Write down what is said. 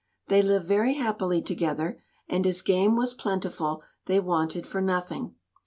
They lived very happily together, and as game was plentiful, they wanted for nothing.